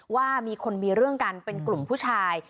ว่ามีคนมีเรื่องกันเป็นกลุ่มผู้ชาย